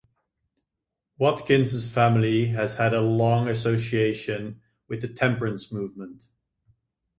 Watkins' family has had a long association with the temperance movement.